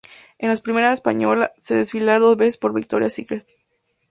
Es la primera española en desfilar dos veces para Victoria's Secret.